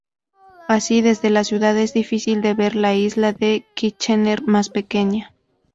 Así, desde la ciudad es difícil de ver la isla de Kitchener más pequeña.